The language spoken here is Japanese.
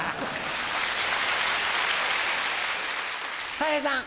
たい平さん。